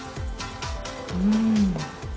うん！